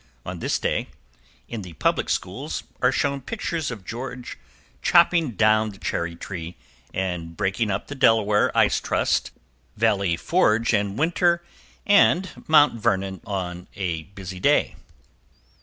On this day, in the public schools, are shown pictures of George Chopping the Cherry Tree and Breaking Up the Delaware Ice Trust, Valley Forge in Winter, and Mt. Vernon on a Busy Day.